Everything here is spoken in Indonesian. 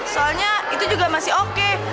soalnya itu juga masih oke